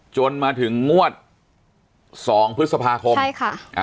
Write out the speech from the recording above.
จนมาถึงงวด๒พฤษภาคมใช่ค่ะ